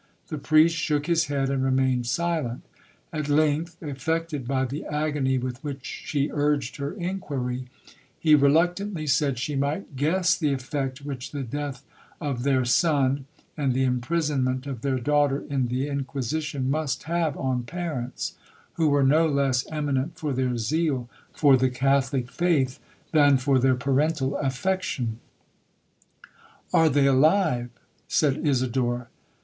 The priest shook his head, and remained silent. At length, affected by the agony with which she urged her inquiry, he reluctantly said she might guess the effect which the death of their son, and the imprisonment of their daughter in the Inquisition, must have on parents, who were no less eminent for their zeal for the Catholic faith, than for their parental affection. 'Are they alive?' said Isidora.